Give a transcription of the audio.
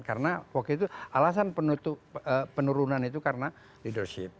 karena waktu itu alasan penurunan itu karena leadership